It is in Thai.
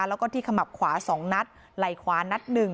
แล้วก็ที่ขมับขวา๒นัดไหล่ขวานัด๑